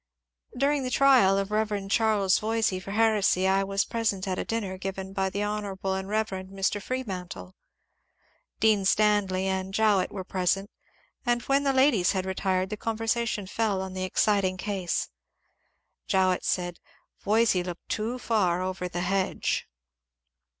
During the trial of the Bev. Charles Voysey for heresy, I was present at a dinner given by the Hon. and Rev. Mr. Freemantle. Dean Stanley and Jowett were present, and when the ladies had retired the conversation fell on the ex citing case. Jowett said, ^^ Voysey looked too far over the hedge."